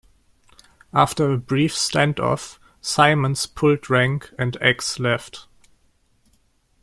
After a brief standoff, Simons pulled rank and Ax left.